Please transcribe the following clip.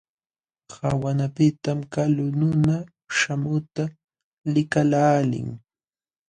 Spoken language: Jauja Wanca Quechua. Qawanapiqtam kalu nuna śhamuqta likaqlaalin.